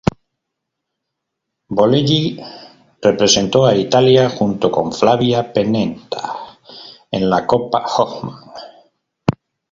Bolelli representó a Italia junto con Flavia Pennetta en la Copa Hopman.